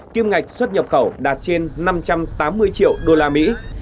kim ngạch xuất nhập khẩu đạt trên năm trăm tám mươi triệu đô la mỹ